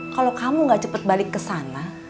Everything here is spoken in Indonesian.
kalau kamu gak cepat balik ke sana